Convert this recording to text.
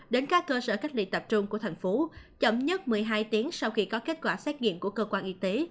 đến các cơ sở cách ly tập trung của thành phố chậm nhất một mươi hai tiếng sau khi có kết quả xét nghiệm của cơ quan y tế